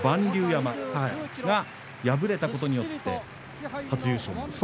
竜山が敗れたことによって初優勝と。